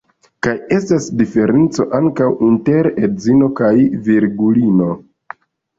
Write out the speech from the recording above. Kaj estas diferenco ankaŭ inter edzino kaj virgulino.